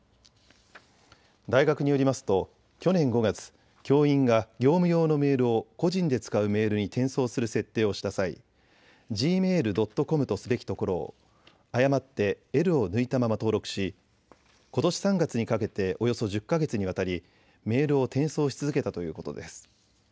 大学によりますと去年５月、教員が業務用のメールを個人で使うメールに転送する設定をした際、ｇｍａｉｌ．ｃｏｍとすべきところを誤ってｌを抜いたまま登録し、ことし３月にかけておよそ１０か月にわたりメールを転送し続けたということです。